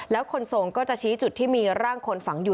แล้วคนทรงก็จะชี้จุดที่มีร่างคนฝังอยู่